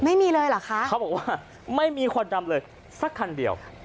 ไม่มีเลยเหรอคะเขาบอกว่าไม่มีควันดำเลยสักคันเดียว